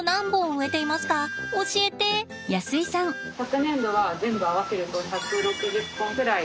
昨年度は全部合わせると１６０本くらい。